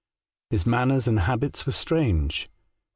His manners and habits were strange.